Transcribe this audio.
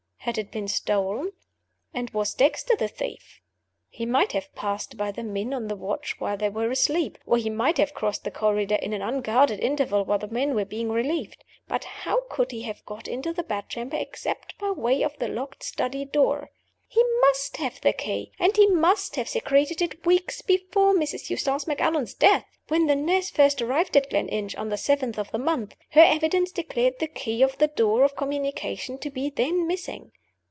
Had it been stolen? And was Dexter the thief? He might have passed by the men on the watch while they were asleep, or he might have crossed the corridor in an unguarded interval while the men were being relieved. But how could he have got into the bedchamber except by way of the locked study door? He must have had the key! And he must have secreted it weeks before Mrs. Eustace Macallan's death! When the nurse first arrived at Gleninch, on the seventh of the month, her evidence declared the key of the door of communication to be then missing.